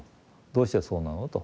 どうしてそうなのと。